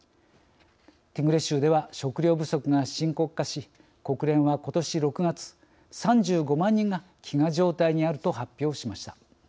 ティグレ州では食料不足が深刻化し国連はことし６月３５万人が飢餓状態にあると発表しました。